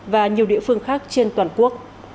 và nhiều địa phương khác trên toàn quốc